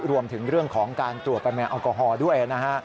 รวมถึงเรื่องของการตรวจประมาณแอลกอฮอล์ด้วยนะฮะ